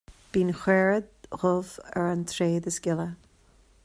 Bíonn caora dhubh ar an tréad is gile